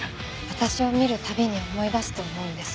私を見るたびに思い出すと思うんです。